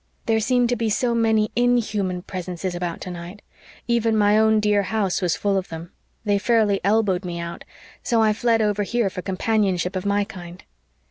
"There seem to be so many INHUMAN presences about tonight. Even my own dear house was full of them. They fairly elbowed me out. So I fled over here for companionship of my kind."